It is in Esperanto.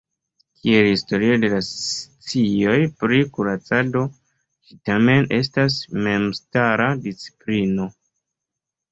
Kiel historio de la scioj pri kuracado ĝi tamen estas memstara disciplino.